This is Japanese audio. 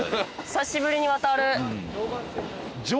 久しぶりに渡る。